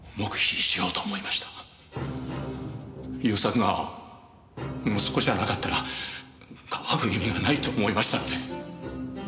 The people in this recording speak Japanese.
勇作が息子じゃなかったら庇う意味がないと思いましたので。